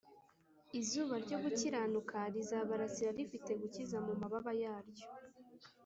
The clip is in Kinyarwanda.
Izuba ryo gukiranuka rizabarasira rifite gukiza mu mababa yaryo